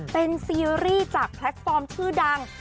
เป็นซีรีส์จากแพลตฟอร์มชื่อดัง